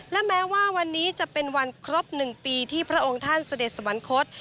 และแม้ว่าวันนี้จะเป็นวันครบ๑ปีที่พระองค์ท่านเสด็จสวรรคต